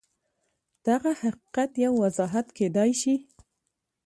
دغه حقیقت یو وضاحت کېدای شي